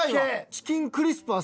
チキンクリスプあ